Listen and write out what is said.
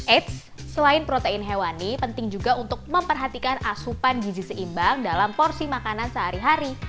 eits selain protein hewani penting juga untuk memperhatikan asupan gizi seimbang dalam porsi makanan sehari hari